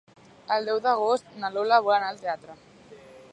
El deu d'agost na Lola vol anar al teatre.